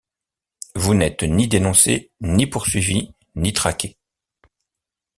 Vous n’êtes ni dénoncé, ni poursuivi, ni traqué.